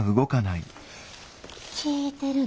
聞いてるの？